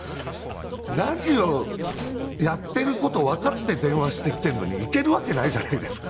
ラジオやっている事をわかって電話してきているのに行けるわけないじゃないですか。